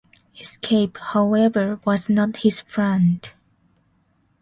Escape, however, was not his plan.